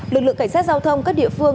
lực lượng cảnh sát giao thông các địa phương